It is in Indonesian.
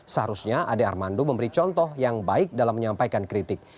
seharusnya ade armando memberi contoh yang baik dalam menyampaikan kritik